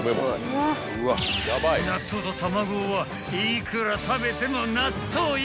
［納豆と卵はいくら食べても納豆よ！］